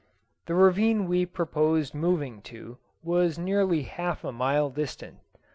The ravine we proposed moving to was nearly half a mile distant.